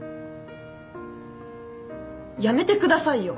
やめてくださいよ！